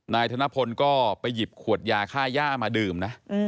นายธนพลก็ไปหยิบขวดยาค่าย่ามาดื่มนะ